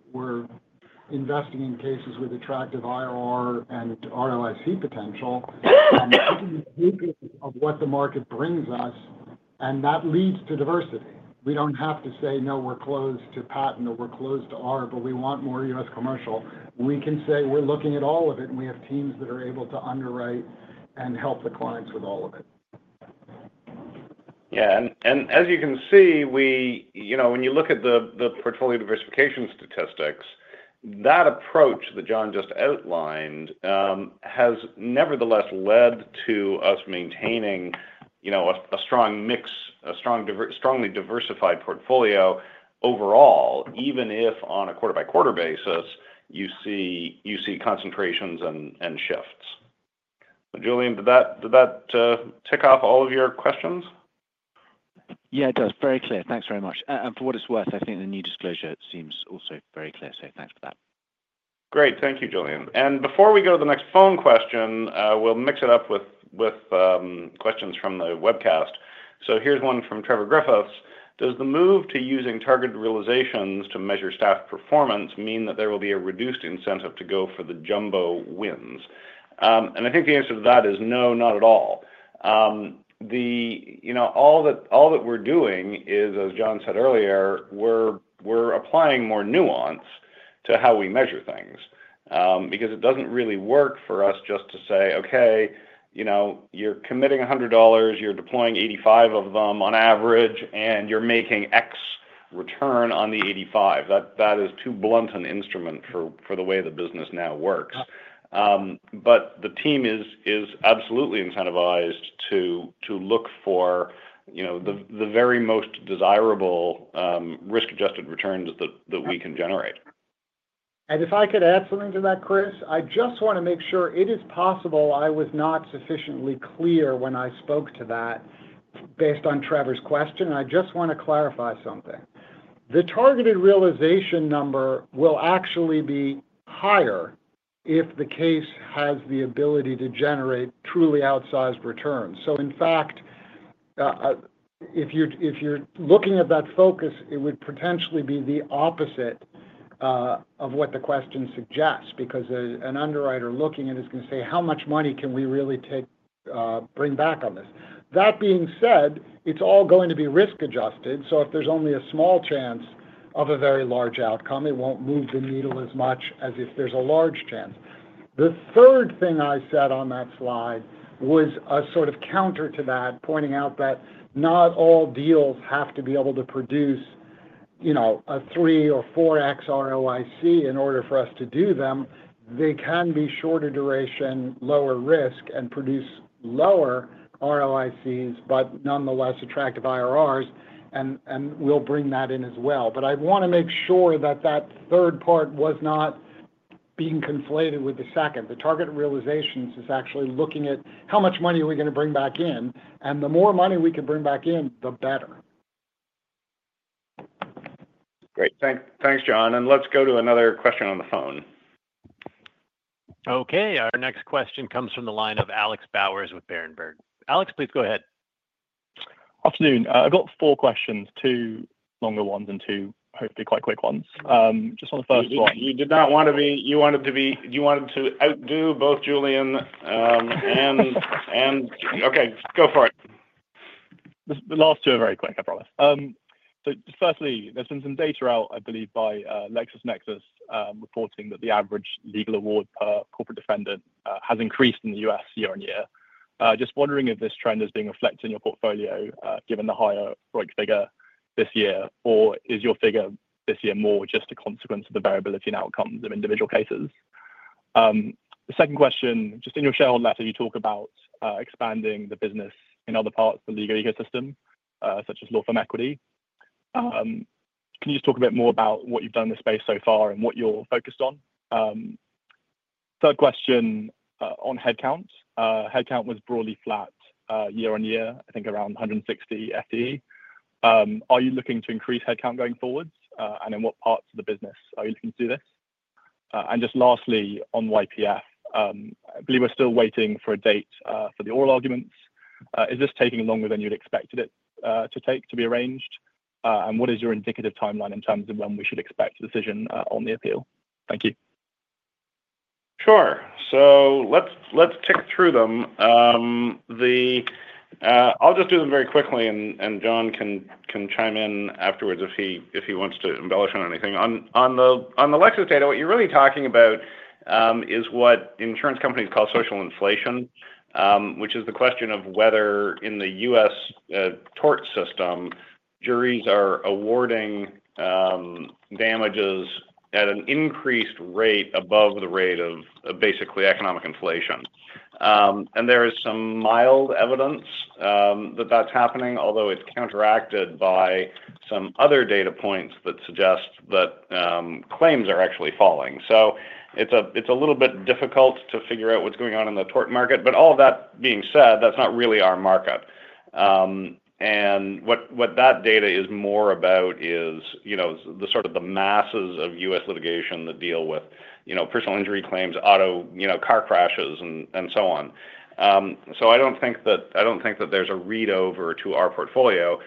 investing in cases with attractive IRR and ROIC potential and taking advantage of what the market brings us. And that leads to diversity. We don't have to say, "No, we're closed to patent or we're closed to Arb, but we want more U.S. commercial." We can say, "We're looking at all of it, and we have teams that are able to underwrite and help the clients with all of it." Yeah. And as you can see, when you look at the portfolio diversification statistics, that approach that John just outlined has nevertheless led to us maintaining a strong mix, a strongly diversified portfolio overall, even if on a quarter-by-quarter basis, you see concentrations and shifts. Julian, did that tick off all of your questions? Yeah, it does. Very clear. Thanks very much. And for what it's worth, I think the new disclosure seems also very clear. Thanks for that. Great. Thank you, Julian. And before we go to the next phone question, we'll mix it up with questions from the webcast. So here's one from Trevor Griffiths. Does the move to using targeted realizations to measure staff performance mean that there will be a reduced incentive to go for the jumbo wins? And I think the answer to that is no, not at all. All that we're doing is, as John said earlier, we're applying more nuance to how we measure things because it doesn't really work for us just to say, "Okay, you're committing $100, you're deploying 85 of them on average, and you're making X return on the 85." That is too blunt an instrument for the way the business now works. But the team is absolutely incentivized to look for the very most desirable risk-adjusted returns that we can generate. If I could add something to that, Chris, I just want to make sure it is possible I was not sufficiently clear when I spoke to that based on Trevor's question. I just want to clarify something. The targeted realization number will actually be higher if the case has the ability to generate truly outsized returns. So in fact, if you're looking at that focus, it would potentially be the opposite of what the question suggests because an underwriter looking at it is going to say, "How much money can we really bring back on this?" That being said, it's all going to be risk-adjusted. So if there's only a small chance of a very large outcome, it won't move the needle as much as if there's a large chance. The third thing I said on that slide was a sort of counter to that, pointing out that not all deals have to be able to produce a three or four X ROIC in order for us to do them. They can be shorter duration, lower risk, and produce lower ROICs, but nonetheless attractive IRRs. And we'll bring that in as well. But I want to make sure that that third part was not being conflated with the second. The target realizations is actually looking at how much money are we going to bring back in. And the more money we can bring back in, the better. Great. Thanks, John. And let's go to another question on the phone. Okay. Our next question comes from the line of Alex Bowers with Berenberg. Alex, please go ahead. Afternoon. I've got four questions, two longer ones and two hopefully quite quick ones. Just on the first one. You wanted to outdo both Julian and okay. Go for it. The last two are very quick, I promise. So firstly, there's been some data out, I believe, by LexisNexis reporting that the average legal award per corporate defendant has increased in the U.S. year on year. Just wondering if this trend is being reflected in your portfolio given the higher ROIC figure this year, or is your figure this year more just a consequence of the variability in outcomes of individual cases? The second question, just in your shareholder letter, you talk about expanding the business in other parts of the legal ecosystem, such as law firm equity. Can you just talk a bit more about what you've done in the space so far and what you're focused on? Third question on headcount. Headcount was broadly flat year on year, I think around 160 FTE. Are you looking to increase headcount going forward? And in what parts of the business are you looking to do this? And just lastly, on YPF, I believe we're still waiting for a date for the oral arguments. Is this taking longer than you'd expected it to take to be arranged? And what is your indicative timeline in terms of when we should expect a decision on the appeal? Thank you. Sure. So let's tick through them. I'll just do them very quickly, and John can chime in afterwards if he wants to embellish on anything. On the LexisNexis data, what you're really talking about is what insurance companies call social inflation, which is the question of whether in the U.S. tort system, juries are awarding damages at an increased rate above the rate of basically economic inflation. There is some mild evidence that that's happening, although it's counteracted by some other data points that suggest that claims are actually falling. It's a little bit difficult to figure out what's going on in the tort market. All of that being said, that's not really our markup. What that data is more about is the sort of the masses of U.S. litigation that deal with personal injury claims, auto car crashes, and so on. I don't think that there's a read-over to our portfolio.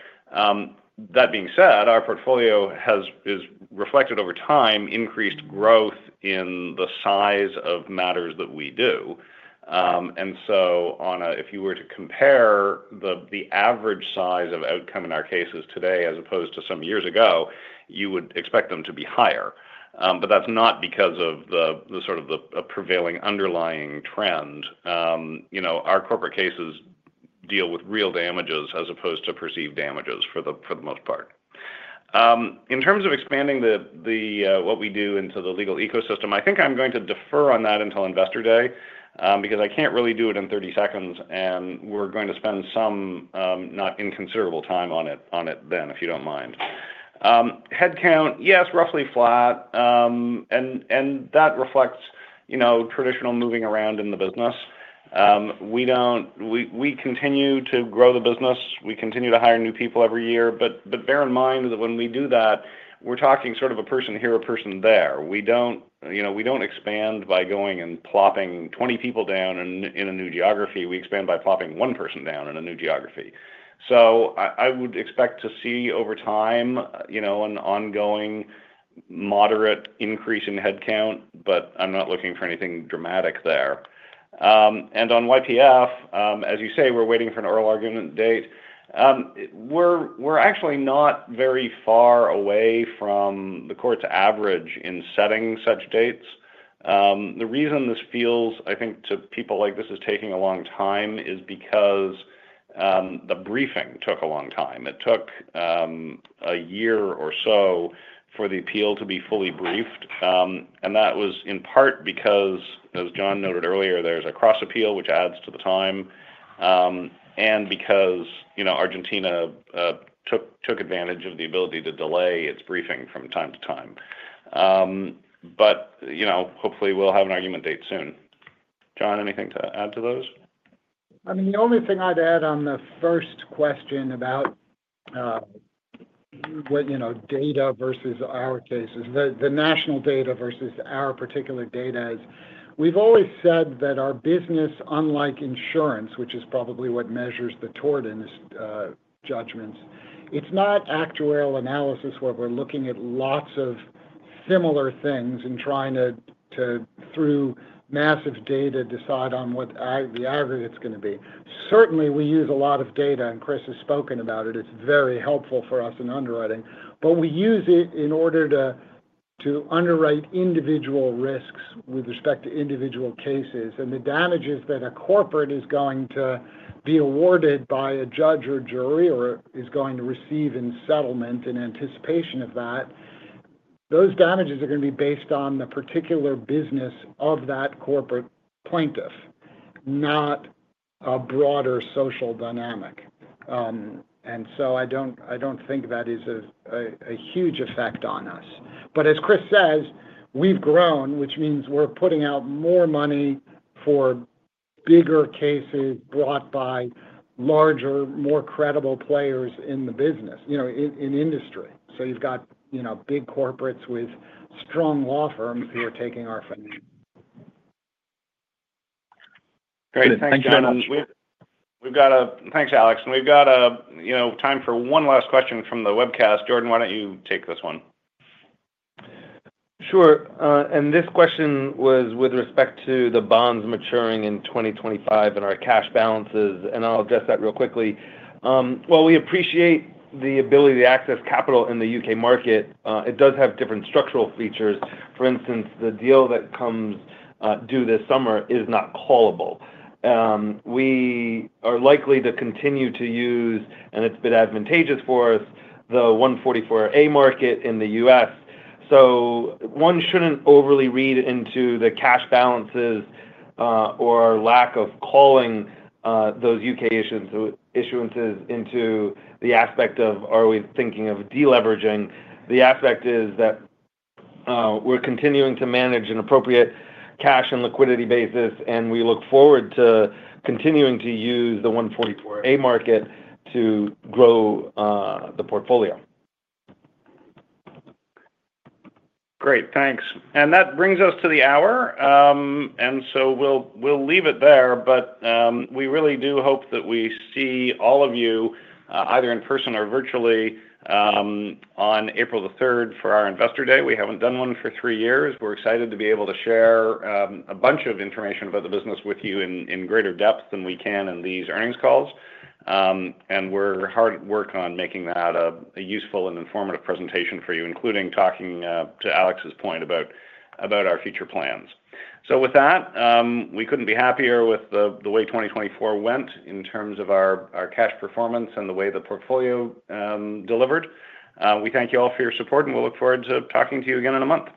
That being said, our portfolio has reflected over time increased growth in the size of matters that we do. If you were to compare the average size of outcome in our cases today as opposed to some years ago, you would expect them to be higher. But that's not because of the sort of a prevailing underlying trend. Our corporate cases deal with real damages as opposed to perceived damages for the most part. In terms of expanding what we do into the legal ecosystem, I think I'm going to defer on that until Investor Day because I can't really do it in 30 seconds, and we're going to spend some not inconsiderable time on it then, if you don't mind. Headcount, yes, roughly flat. And that reflects traditional moving around in the business. We continue to grow the business. We continue to hire new people every year. But bear in mind that when we do that, we're talking sort of a person here, a person there. We don't expand by going and plopping 20 people down in a new geography. We expand by plopping one person down in a new geography. So I would expect to see over time an ongoing moderate increase in headcount, but I'm not looking for anything dramatic there. And on YPF, as you say, we're waiting for an oral argument date. We're actually not very far away from the court's average in setting such dates. The reason this feels, I think, to people like this is taking a long time is because the briefing took a long time. It took a year or so for the appeal to be fully briefed. And that was in part because, as John noted earlier, there's a cross-appeal which adds to the time, and because Argentina took advantage of the ability to delay its briefing from time to time. But hopefully, we'll have an argument date soon. John, anything to add to those? I mean, the only thing I'd add on the first question about data versus our cases, the national data versus our particular data is we've always said that our business, unlike insurance, which is probably what measures the tort in these judgments, it's not actuarial analysis where we're looking at lots of similar things and trying to, through massive data, decide on what the aggregate's going to be. Certainly, we use a lot of data, and Chris has spoken about it. It's very helpful for us in underwriting. But we use it in order to underwrite individual risks with respect to individual cases. The damages that a corporate is going to be awarded by a judge or jury or is going to receive in settlement in anticipation of that, those damages are going to be based on the particular business of that corporate plaintiff, not a broader social dynamic. And so I don't think that is a huge effect on us. But as Chris says, we've grown, which means we're putting out more money for bigger cases brought by larger, more credible players in the business, in industry. So you've got big corporates with strong law firms who are taking our funding. Great. Thanks, John. We've got another. Thanks, Alex. And we've got time for one last question from the webcast. Jordan, why don't you take this one? Sure. And this question was with respect to the bonds maturing in 2025 and our cash balances. And I'll address that really quickly. While we appreciate the ability to access capital in the U.K. market, it does have different structural features. For instance, the deal that comes due this summer is not callable. We are likely to continue to use, and it's been advantageous for us, the 144A market in the U.S. So one shouldn't overly read into the cash balances or lack of calling those U.K. issuances into the aspect of, are we thinking of deleveraging? The aspect is that we're continuing to manage an appropriate cash and liquidity basis, and we look forward to continuing to use the 144A market to grow the portfolio. Great. Thanks. And that brings us to the hour. And so we'll leave it there. But we really do hope that we see all of you either in person or virtually on April the 3rd for our Investor Day. We haven't done one for three years. We're excited to be able to share a bunch of information about the business with you in greater depth than we can in these earnings calls. We're hard at work on making that a useful and informative presentation for you, including talking to Alex's point about our future plans. With that, we couldn't be happier with the way 2024 went in terms of our cash performance and the way the portfolio delivered. We thank you all for your support, and we'll look forward to talking to you again in a month.